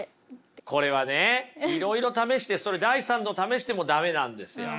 これはねいろいろ試してそれ第３の試しても駄目なんですよ。